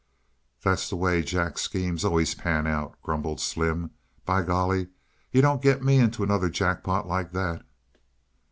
"That's the way Jack's schemes always pan out," grumbled Slim. "By golly, yuh don't get me into another jackpot like that!"